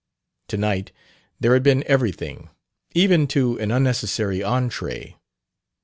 To night there had been everything, even to an unnecessary entree.